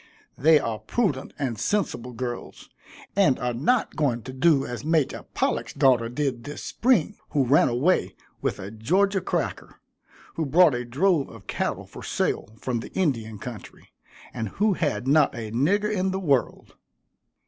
They are prudent and sensible girls, and are not going to do as Major Pollack's daughter did this spring, who ran away with a Georgia cracker, who brought a drove of cattle for sale from the Indian country, and who had not a nigger in the world.